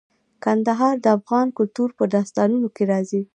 کندهار د افغان کلتور په داستانونو کې راځي.